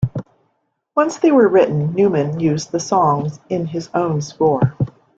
Once they were written, Newman used the songs in his own score.